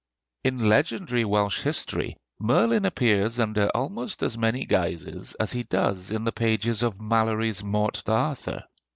In legendary Welsh history, Merlin appears under almost as many guises as he does in the pages of Malory's 'Morte d'Arthur.'